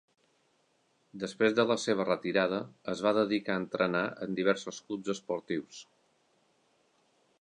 Després de la seva retirada es va dedicar a entrenar en diversos clubs esportius.